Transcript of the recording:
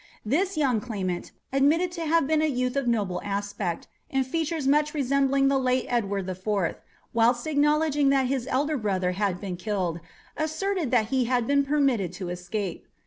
This young claimant, admitted to have been a youth of noble aspect, and in features much resembling the late Edward the Fourth, whilst acknowledging that his elder brother had been killed, asserted that he had been permitted to escape.